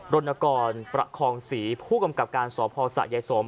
รณกรประคองศรีผู้กำกับการสพสะยายสม